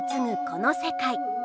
この世界。